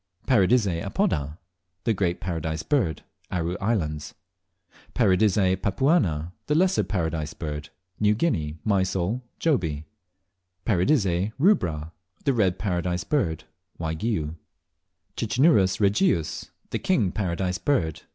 1. Paradisea apoda (The Great Paradise Bird). Aru Islands. 2. Paradisea papuana (The Lesser Paradise Bird). New Guinea. Mysol, Jobie. 3. Paradisea rubra (The Red Paradise Bird). Waigiou. 4. Cicinnurus regius (The King Paradise Bird).